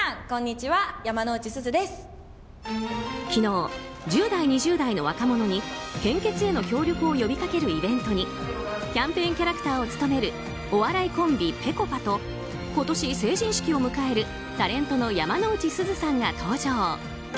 昨日、１０代２０代の若者に献血への協力を呼びかけるイベントにキャンペーンキャラクターを務めるお笑いコンビぺこぱと今年成人式を迎えるタレントの山之内すずさんが登場。